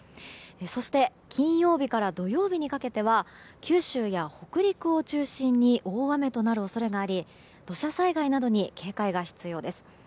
そして、金曜日から土曜日にかけては九州や北陸を中心に大雨となる恐れがあり土砂災害などに警戒が必要です。